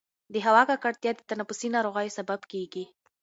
د هوا ککړتیا د تنفسي ناروغیو سبب کېږي.